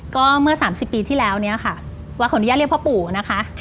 ก็เมื่อ๓๐ปีที่แล้วเนี่ยค่ะวัดขออนุญาตเรียกพ่อปู่นะคะ